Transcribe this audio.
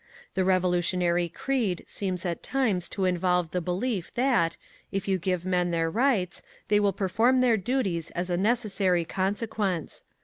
The revolutionary creed seems at times to involve the belief that, if you give men their rights, they will perform their duties as a necessary consequence.